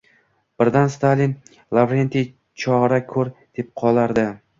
Birdan Stalin: «Lavrentiy, chora ko’r», deb qolardi.